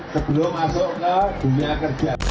sebelum masuk ke dunia kerja